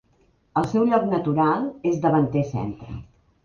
El seu lloc natural és davanter centre.